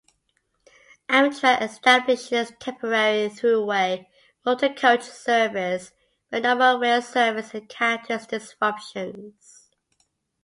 Amtrak establishes temporary Thruway Motorcoach service when normal rail service encounters disruptions.